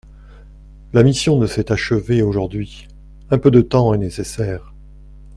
La mission ne s’est achevée aujourd’hui ; un peu de temps est nécessaire.